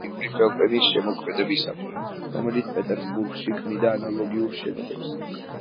ეკლესიის შენობა დამახასიათებელია იური ფელტენის შემოქმედებისათვის, რომელიც პეტერბურგში ქმნიდა ანალოგიურ შენობებს.